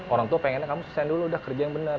orang tua pengennya kamu selesai dulu udah kerja yang benar